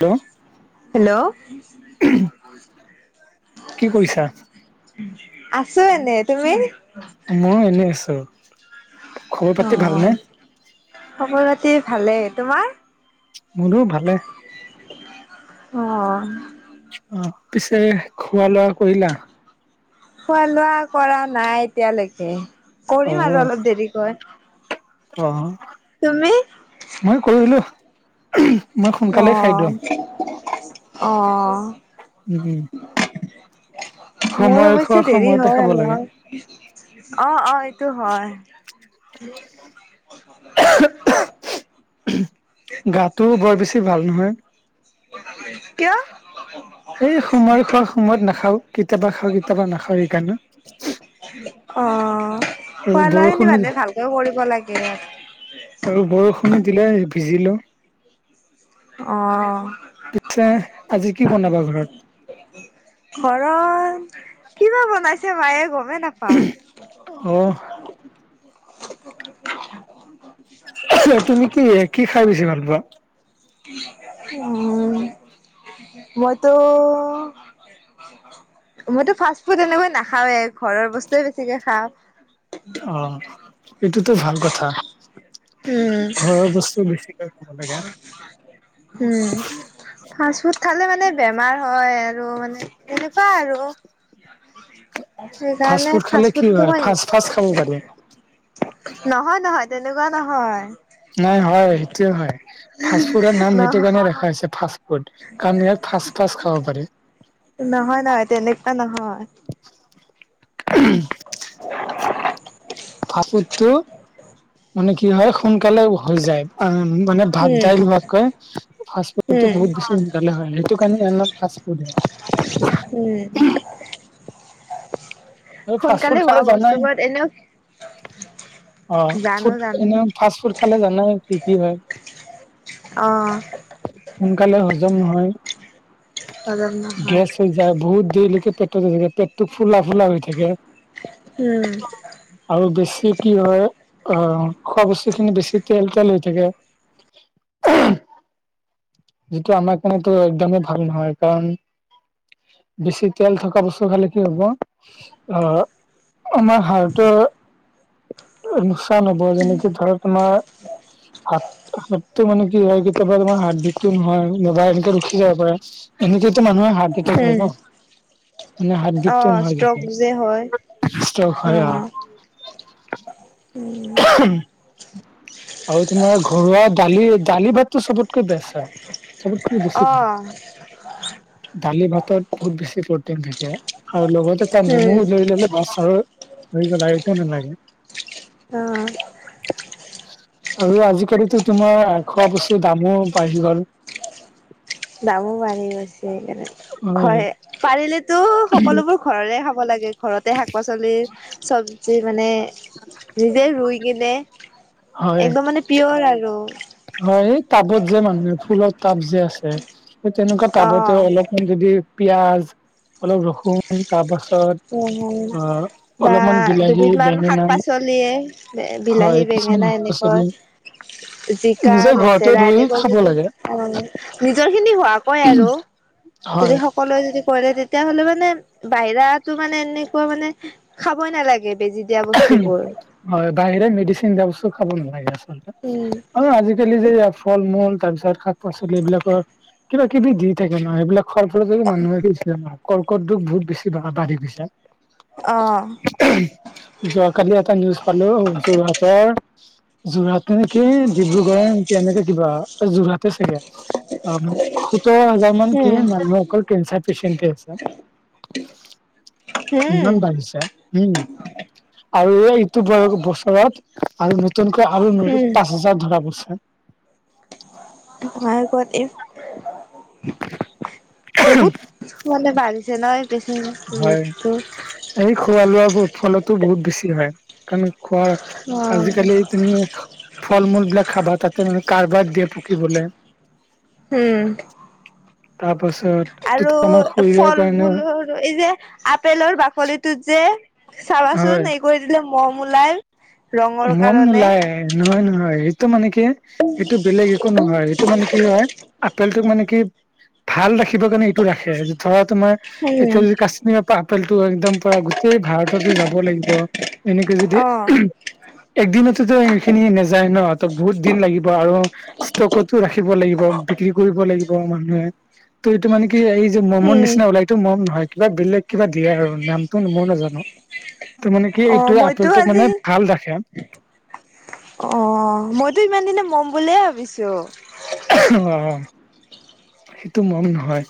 Hello hello কি কৰিছা? আছো এনেই, তুমি? মই এনেই আছো। খবৰ পাতি ভালনে? অঁ' খবৰ-খাতি ভালেই, তোমাৰ? মোৰো ভালে। অঁ' অঁ' পিছে খোৱা লোৱা কৰিলা? খোৱা লোৱা কৰা নাই এতিয়ালেকে কৰিম আৰু অলপ দেৰিকৈ। অঅ'। তুমি- মই কৰিলো ওহো। অহ অহ। উমঁ উমঁ! মোৰ খোৱা অৱশ্যে দেৰি সময়তে হয় খাব লাগে। অলপ - অঁ অঁ এইটো হয়। [inaudible] গাটোও বৰ বেছি ভাল নহয়। কিয়? এই সময়ৰ খোৱা সময়ত নাখাওঁ কেতিয়াবা খাওঁ কেতিয়াবা নাখাওঁ সেইকাৰণে। অঁ! আৰু বৰষুণ যে- তেওঁৰ কৰিব লাগে - আৰু বৰষুণো দিলে ভিজিলো। অঁ- পিছে আজি কি বনাবা ঘৰত? ঘৰত কিবা বনাইছে মায়ে গমেই নাপাওঁ। অহ! এহো তুমি কি কি খাই বেছি ভাল পোৱা। উমঁ মইতো- [unintelligible] মইতো ফাষ্ট ফুড এনেকৈ নাখাওে ঘৰৰ বস্তুৱে বেছিকে খাওঁ। অঁ এইটোতো ভাল কথা। উম। ঘৰৰ বস্তু বেছিকৈ খাব লাগে। উমঁ, ফাষ্ট ফুড খালে মানে বেমাৰ হয় আৰু মানে এনে- কোৱা আৰু- ফাষ্ট সেইকাৰণে ফুড খালে ফাষ্ট কি ফুডটো হয় মই ফাষ্ট ফাষ্ট খাব পাৰি - নহয়-নহয় তেনেকুৱা নহয়। মই হঁয় সেইটোৱে হয়ঁ, ফাষ্ট ফুডৰ নাম সেইটো নহয় কাৰণে ৰখা হৈছে ফাষ্ট ফুড- কাৰণ ইয়াক ফাছ-ফাছ খাব পাৰি। নহয় নহয় তেনেকুৱা নহয়। ওহোহ ফাপোটো মানে কি হয় সোনকালে- হৈ যায় আ মানে ভাত উম, দাইল হোৱাতকৈ ফাষ্ট ফুডটো উম, বহুত বেছি- হয়ঁ সেইটো কাৰণে ইয়াৰ নাম ফাষ্টফুড হয়। উমঁ! এই ফাষ্টফুট হোৱা খালে জানাই- বস্তুবোৰত এনেও অঁ জানো ফুড জানো এনে ফাষ্ট ফুড খালে জানাই কি কি হঁয়। অঁ! সোনকালে হজম নহয় হজম নহয়। গেছ হৈ- যায় বহুত দেৰিলৈকে পেটত থাকে পেটোক ফুলা ফুলা হৈ থাকে। উমঁ! আৰু বেছি কি হয়ঁ। আহ খোৱা বস্তু খিনি বেছি তেল তেল হৈ থাকে। যিটো আমাৰ কাৰনেতো একদমেই ভাল নহয়, কাৰণ- বেছি তেল থকা বস্তু খালে কি হ'ব? আহ আমাৰ হাৰ্টৰ লোকচান হ'ব যেনেকে, ধৰা তোমাৰ হাত হাতটো মানে কি হয়, কেতিয়াবা তোমাৰ হাৰ্ডিটো নহয় নবা এনেকে ৰখি যাব পাৰে। এনেকা মানুহে হাৰ্ডিটো হয় উম, ন' মানে হাৰ্ডিটো অ', ষ্ট্ৰক যে হয়। অ', [unintelligible] উম, [unintelligible] [inaudible] আৰু তোমাৰ ঘৰুৱা দালি-দালি ভাতটো চবতকে বেষ্ট আৰু। চবতকৈ বেছি অ', দালি ভাতত বহুত বেছি প্ৰটিন থাকে। আৰু লগত এটা নেমু উম। লৈ ললে বাছ আৰু ধৰি ললা একো নালাগে। অঁ। আৰু আজিকালিতো তোমাৰ খোৱা বস্তু দামো বাঢ়ি গ'ল। দামো বাঢ়ি গৈছে, হয় পাৰিলেতো সকলোবোৰ ঘৰৰে খাব লাগে, ঘৰতে শাক-পাচলি চবজি মানে নিজে ৰুই কিন, হয় একদম মানে পিয়ৰ আৰু হয় এই টাবত যে মানুহে ফুলৰ টাব যে আছে, সেই তেনেকুৱা টাবতেও অ' অলপ যদি পিয়াজ অলপ ৰসুন তাৰপাছত অ হয়, অ বা অলপমান বিলাহী দুবিধ মান শাক বেঙেনা পাচলিয়ে এ হয় বিলাহী, কিছুমান বেঙেনা শাক এনেকৈ, পাচলি জিকা, নিজৰ ঘৰতে লেচেৰা ৰুই এনেকুৱা খাব যদি লাগে অ নিজৰ খিনি হোৱা কৈ আৰু হয় যদি সকলোৱে যদি কৰে তেতিয়া হ'লে মানে বাহিৰাটো মানে এনেকুৱা মানে খাবই নেলাগে বেজি দিয়া বস্তুবোৰ। হয় বাহিৰে মেডিচিন দিয়া বস্তু খাব নালাগে উম, আচলতে। অ আজিকালি যে ফল-মূল তাৰপিছত শাক-পাচলি এইবিলাকৰ কিবা কিবি দি থাকে ন' সেইবিলাক খোৱা ফলেদি মানুহৰ [unintelligible] কৰ্কট ৰোগ বহুত বেছি [unintelligible] বাঢ়ি গৈছে। অঁহ। [unintelligible] যোৱাকালি এটা নিউজ পালো যোৰহাটৰ যোৰহাট নেকি, ডিব্ৰুগড়ৰ নেকি এনেকে কিবা যোৰহাটে চাগে। অ শোতৰ হাজাৰ মান কি হুম, মানুহ অকল কেঞ্চাৰ পেচিয়েণ্ট আছে। [unintelligible] ইমান বাঢ়িছে উম! আৰু এইটো বয় বছৰত আৰু নতুনকৈ আৰু নতুন হুম। পাঁচ হাজাৰ ধৰা পৰিছে। তোমাৰ ঘত এই [unintelligible] বহুত মানে বাঢ়িছে নহয় হয় এই খোৱা লোৱাৰ উৎ ফলতো বহুত বেছি হয়, কাৰণ খোৱাৰ, অ', আজিকালি তুমি ফল মূল বিলাক খাবা তাতে মানে কাৰবাৰ দিয়ে পকিবলে। হুম। তাৰপাছত আৰু ফল মূলৰ এই যে আপেলৰ বাকলিটোত যে হয় চাবাচোন এই কৰি দিলে ম'ম ওলাই। ৰঙৰ মম কাৰণে নোলায়, নহয় নহয় এইটো মানে কি এইটো বেলেগ একো নহ হয়, এইটো মানে কি হয় আপেলটোক মানে কি ভাল ৰাখিব কাৰণে এইটো ৰাখে। ধৰা তোমাৰ উম, এতিয়া যদি কাশ্মীৰ পৰা আপেলটো একদম পোৰা গোটেই ভাৰততো যাব লাগিব। এনেকে যদি অ', একদিনততো এইখিনি নাযায় ন? ত' বহুত দিন লাগিব আৰু। ষ্টকতো ৰাখিব লাগিব বিক্ৰী কৰিব লাগিব, মানুহে ত' এইটো মানে কি এই মমৰ উম। নিচিনা ওলাইতো মম নহয় কিবা বেলেগ কিবা দিয়ে আৰু নামটো ময়ো নাজানোঁ। এইতো মানে কি অ', এইটো মইতো আঁপেলটোক আজি মানে ভাল ৰাখে। অ', মইতো ইমান দিনে মম বুলিয়ে ভাবিছোঁ। অ', সেইটো মম নহয়।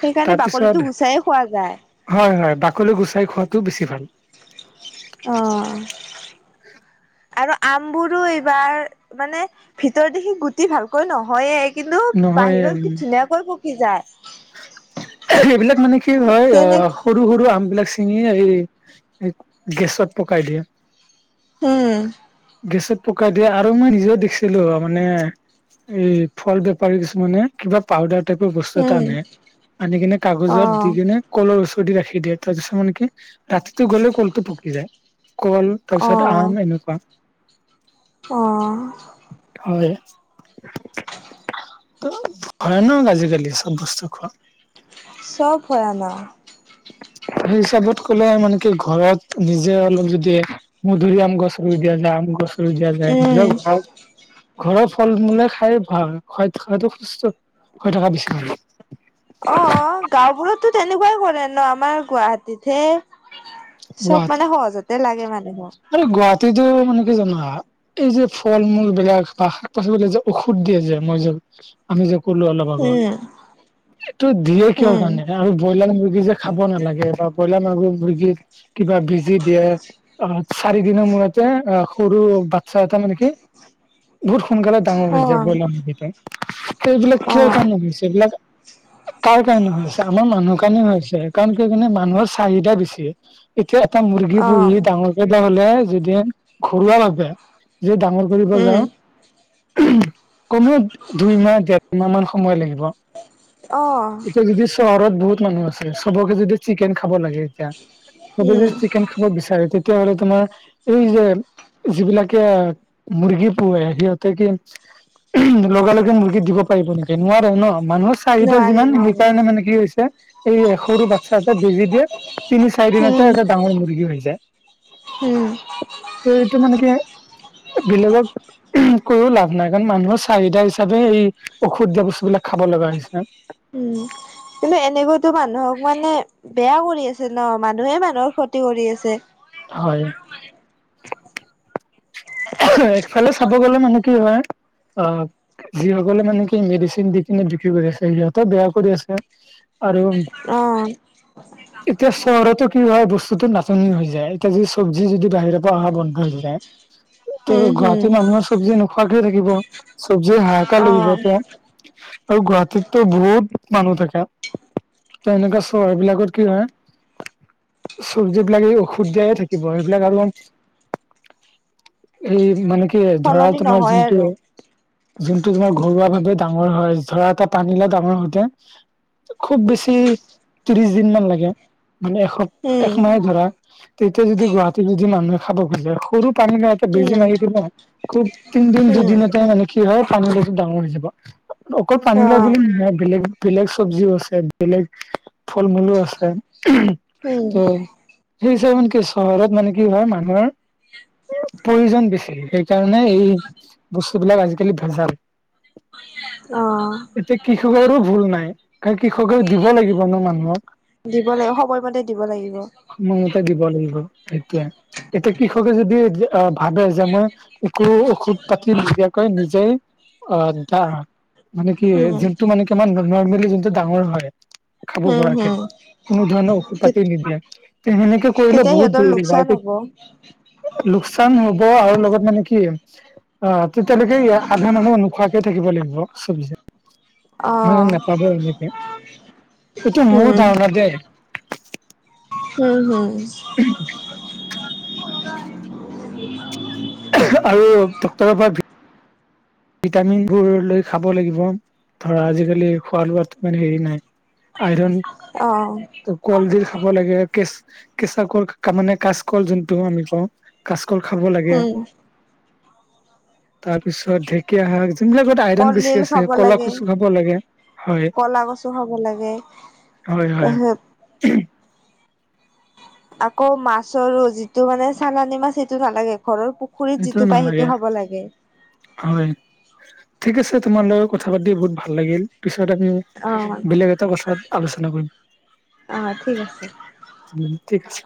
সেইকাৰণে তাৰপিছত বাকলিতো গুচায়ে খোৱা যায়। হয়, হয়, বাকলি গুচাই খোৱাটো বেছি ভাল। অ' আৰু আমবোৰো এইবাৰ মানে ভিতৰত দেখি গুটি ভালকৈ নহ'য়ে। কিন্তু নহয় বাহিৰত কি ধুনীয়াকৈ পকি যায়। এইবিলাক মানে কি হয়, তেনে অ', সৰু সৰু আম বিলাক চিঙি এই গেছত পকাই দিয়ে। উম গেছত পকাই দিয়ে আৰু মই নিজেয়ো দেখিছিলোঁ মানে এই ফল বেপাৰী কিছুমানে কিবা পাউদাৰ টাইপৰ বচ উম টানে, আনি কিনে অ কাগজত দি কিনে কলৰ ওচৰত দি ৰাখি দিয়ে তাৰপিছত মানে কি ৰাতিটো গ'লে কলটো পকি যায়। কল অ তাৰপিছত আম এনেকুৱা। অ' হয়, ভয়ানক আজিকালি। বস্তু খোৱা। চব ভয়ানক। সেই হিচাপত ক'লে মানে কি ঘৰত নিজে অলপ যদি মধুৰিআম গছ ৰুই দিয়া যায়, আম গছ ৰুই দিয়া যায় উম নিজৰ ঘৰত। ঘৰৰ ফল মূলে খাই ভাল [unintelligible] সুস্থ হৈ থকা বিচাৰোঁ। অ', গাঁওবোৰতো তেনেকুৱাই কৰে ন? আমাৰ গুৱাহাটীতহে চব গুৱাহাটী মানে সহজতে লাগে মানুহক। আৰু গুৱাহাটীতো মানে কি জানা? এই যে, ফল মূল বিলাক বা শাক পাচলিবিলাক যে, ঔষধ দিয়ে যে, মই যে আমি যে, ক'লো অলপ আগত উম এইটো দিয়ে কিহৰ উম কাৰনে? আৰু ব্ৰইলাৰ মুৰ্গী যে খাব নালাগে বা ব্ৰইলাৰ মাগৰ মুৰ্গীৰ কিবা বেজি দিয়ে। অ', চাৰি দিনৰ মূৰতে যে, অ', সৰু বাচ্ছা এটা মানে কি বহুত সোনকালে ডাঙৰ হৈ অ যায় ব্ৰইলাৰ মূৰ্গীটো সেইবিলাক অ কিহৰ কাৰনে হৈছে এইবিলাক কাৰ কাৰণে হৈ আছে? আমাৰ মানুহৰ কাৰণে হৈ আছে কাৰণ কিয় জানে মানুহৰ চাহিদা বেছি। এতিয়া এটা মুৰ্গী অ পুহি ডাঙৰ কৰিব হ'লে যদি ঘৰুৱা ভাবে যে, ডাঙৰ কৰিব উম যাওঁ। কমেও দুইমাহ, ডেৰ মাহ মান সময় লাগিব। অ এতিয়া যদি চহৰত বহুত মানুহ আছে চবকে যদি চিকেন খাব লাগে এতিয়া চবেই উম যদি চিকেন খাব বিচাৰে তেতিয়াহ'লে তোমাৰ এই যে যিবিলাকে মুৰ্গী পোহে সিহঁতে কি লগে, লগে মুৰ্গী দিব পাৰিব নেকি? নোৱাৰে ন' মানুহৰ চাহিদা নোৱাৰে যিমান নোৱাৰে সেইকাৰণে মানে কি হৈছে এই সৰু বাচ্ছা এটা বেজি দিয়ে। তিনি চাৰি দিনতে এটা ডাঙৰ মুৰ্গী হৈ যায়। হম এই তোমালোকে বেলেগক কৈও লাভ নাই কাৰণ মানুহৰ চাহিদা হিচাপে এই ঔষধ দিয়া বস্তুবিলাক খাব লগা হৈছে। উম। কিন্তু এনেকতো মানুহক মানে বেয়া কৰি আছে ন মানুহে মানুহৰ ক্ষতি কৰি আছে। হয়। অক্সুৱেলী চাব গলে মানে কি হয় আ যিসকলে মানে কি মেডিচিন দি কিনে বিক্ৰী কৰি আছে সিহঁতেও বেয়া কৰি আছে। আৰু অ। এতিয়া চহৰতো কি হয় বস্তুতো নাটনি হৈ যায়, এতিয়া যদি ছবি যদি বাহিৰৰ পৰা অহা বন্ধ হৈ যায়। ত উম হম গুৱাহাটী মানুহৰ চব্জি নোখোৱাকে থাকিব, চব্জি হাহাকাৰ অ লাগিব তে আৰু গুৱাহাটীত বহুত মানুহ থাকে। ত এনেকুৱা চহৰবিলাকত কি হয়। চব্জি বিলাক এই ঔষধ দিয়াই থাকিব সেইবিলাক আৰু সেই মানে কি ধৰা সলনি তোমাৰ নহয় আৰু যোনটোয়ে যোনটো তোমাৰ ঘৰুৱা ভাৱে ডাঙৰ হয়, ধৰা এটা পানী লাও ডাঙৰ হওতে খুব বেছি ত্ৰিশ দিন মান লাগে মানে এস উম একমাহে ধৰা তেতিয়া যদি গুৱাহাটীত যদি মানুহে খাব খুজে সৰু পানী লাও বেজি উম মাৰি দিব খুব তিনদিন উম দুদিনতে মানে কি হয় পানীলাওটো ডাঙৰ হৈ যাব। অকল পানী অ লাও বুলি নহৈ বেলেগ বেলেগ চব্জিও আছে বেলেগ ফল মূলো আছে, উম ত সেই হৈছে মানে কি চহৰত মানে কি হয় মানুহৰ প্ৰয়োজন বেছি সেইকাৰণে এই বস্তুবিলাক আজিকালি ভেজাল। অহ। এতিয়া কৃষকৰো ভুল নাই, কাৰ কৃষকে দিব লাগিব ন মানুহক। দিব লাগিব সময়মতে দিব লাগিব। সময়মতে দিব লাগিব সেইটোয়ে, এতিয়া কৃষকে যদি আঁ ভাবে যে মই একো ঔষধ পাতি নিদিয়াকৈ নিজেই অ দা মানে কি উম যোনটো মানে কি নৰ্মেলি যোনটো ডাঙৰ হয় খাব হম পৰাকে হম কোনো ধৰণৰ ঔষোধ পাতি নিদিয়া তে সেনেকে কৰিলে তেতিয়া বহুত সিহঁতৰ দেৰি লোকচান হয় তে হব চান হব আৰু লগত মানে কি অ তেতিয়ালৈকে আধা মানুহ নোখোৱাকে থাকিব লাগিব চব্জি। অ মান নাপাবো এনেকে, এইটো মোৰ উম ধাৰণা দেই। উম হুম। [inaudible] আৰু ডক্টৰৰ পৰা ভি ভিটামিনবোৰ লৈ খাব লাগিব ধৰা আজিকালি খোৱা লোৱো ইমান হেৰি নাই। আইৰন অ। কলডিল খাব লাগে কেচ কেঁচা কল মানে কাচকল যোনটো আমি কওঁ কাচকল খাব লাগে উম তাৰপিছত ঢেকীয়া শাক যোনবিলাকত আইৰণ বেছি কলডিল আছে খাব ক'লা লাগে কচু খাব লাগে। হয় কলা কচু খাব লাগে হয় হয় তাৰপিছত আকৌ মাছৰ যিটো মানে চালানি মাছ সেইটো নালাগে ঘৰৰ পু সেইটো নালাগে। হয় ঠিক আছে তোমাৰ লগত কথা পাতি বহুত ভাল লাগিল, পিছত আমি অ', বেলেগ এটা কথাত আলোচনা কৰিম। অ', ঠিক আছে। উম, ঠিক আছে।